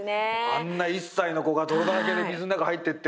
あんな１歳の子が泥だらけで水の中入っていって。